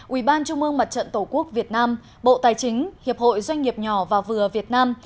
ủy ban trung mương mặt trận tổ quốc việt nam bộ tài chính hiệp hội doanh nghiệp nhỏ và vừa việt nam